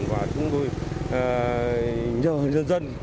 và chúng tôi nhờ nhân dân